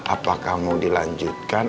apakah mau dilanjutkan